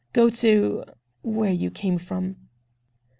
Go to—where you came from."